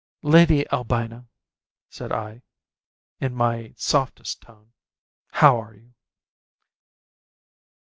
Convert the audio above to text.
"Lady Albina," said I, in my softest tone, "how are you?"